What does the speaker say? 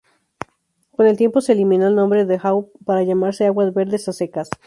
Con el tiempo se eliminó el nombre Duhau para llamarse Aguas Verdes, a secas.